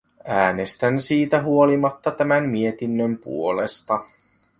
Äänestän siitä huolimatta tämän mietinnön puolesta.